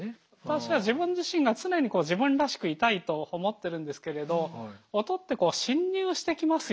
私は自分自身が常に自分らしくいたいと思ってるんですけれど音って侵入してきますよね